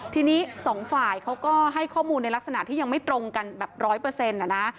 ทีนี้สองฝ่ายเขาก็ให้ข้อมูลในลักษณะที่ยังไม่ตรงกันแบบร้อยเปอร์เซ็นต์นะ